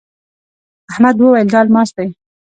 احمد وويل: دا الماس دی.